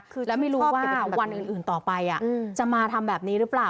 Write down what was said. คือแล้วไม่รู้ว่าวันอื่นต่อไปจะมาทำแบบนี้หรือเปล่า